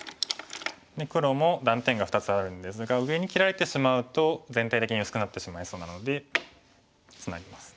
で黒も断点が２つあるんですが上に切られてしまうと全体的に薄くなってしまいそうなのでツナぎます。